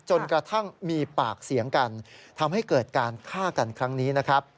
จนกระทั่งมีปากเสียงกันทำให้เกิดการฆ่ากันครั้งนี้นะครับ